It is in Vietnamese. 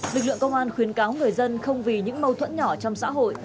lực lượng công an khuyến cáo người dân không vì những mâu thuẫn nhỏ trong xã hội